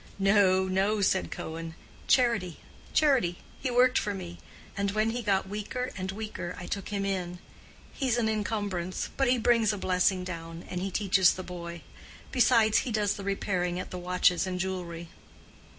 "No, no," said Cohen. "Charity! charity! he worked for me, and when he got weaker and weaker I took him in. He's an incumbrance; but he brings a blessing down, and he teaches the boy. Besides, he does the repairing at the watches and jewelry."